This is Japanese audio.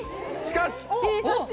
しかし？